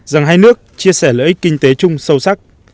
rằng hai nước chia sẻ lợi ích kinh tế chung sâu sắc